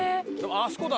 あそこだ！